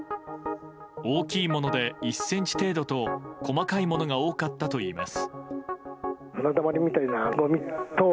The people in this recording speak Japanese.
大きいもので１ｃｍ程度と細かいものが多かったといいます。